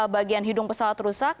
bagian hidung pesawat rusak